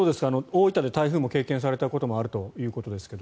大分で台風も経験されたことがあるということですが。